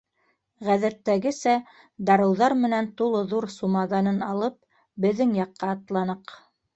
Ғәҙәттәгесә, дарыуҙар менән тулы ҙур сумаҙанын алып, беҙҙең яҡҡа атланыҡ.